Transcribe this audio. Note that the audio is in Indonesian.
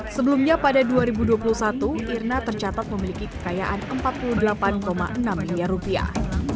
sebelumnya pada dua ribu dua puluh satu irna tercatat memiliki kekayaan empat puluh delapan enam miliar rupiah